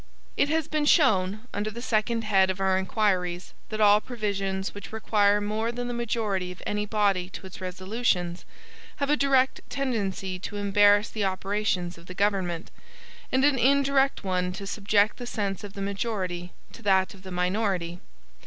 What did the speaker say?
It has been shown, under the second head of our inquiries, that all provisions which require more than the majority of any body to its resolutions, have a direct tendency to embarrass the operations of the government, and an indirect one to subject the sense of the majority to that of the minority.